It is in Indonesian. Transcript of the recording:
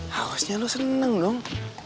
harusnya lo seneng dong